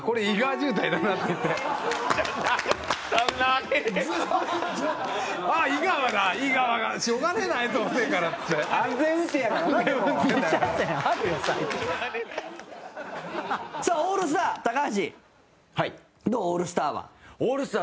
中居：オールスター。